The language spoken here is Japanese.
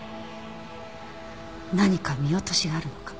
何か見落としがあるのかも。